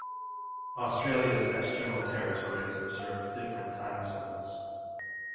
Australia's external territories observe different time zones.